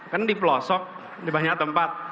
kan di pelosok di banyak tempat